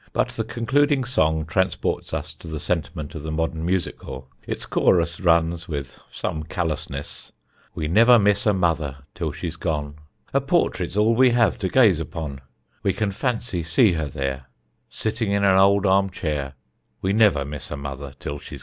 But the concluding song transports us to the sentiment of the modern music hall. Its chorus runs, with some callousness: "We never miss a mother till she's gone, Her portrait's all we have to gaze upon, We can fancy see her there, Sitting in an old armchair; We never miss a mother till she's gone."